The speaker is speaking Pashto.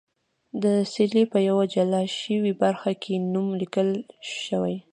د څلي په یوه جلا شوې برخه کې نوم لیکل شوی.